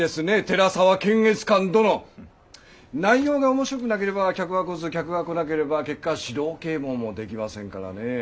寺沢検閲官殿内容が面白くなければ客は来ず客が来なければ結果指導啓蒙もできませんからね。